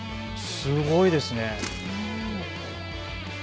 すごいですね。